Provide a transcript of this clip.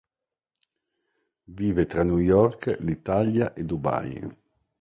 Vive tra New York, l'Italia e Dubai.